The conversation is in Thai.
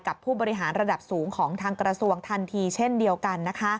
ผู้บริหารระดับสูงของทางกระทรวงทันทีเช่นเดียวกัน